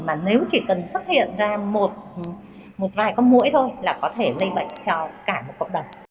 mà nếu chỉ cần xuất hiện ra một vài con mũi thôi là có thể lây bệnh cho cả một cộng đồng